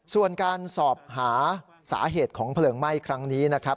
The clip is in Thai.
ส่วนการสอบหาสาเหตุของเพลิงไหม้ครั้งนี้นะครับ